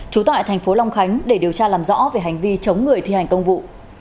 trú tại tp long khánh để điều tra làm rõ về hành vi chống người thi hành công vụ